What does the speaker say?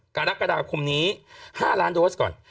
กรกฎาคมนี้๕ล้านโดสก่อน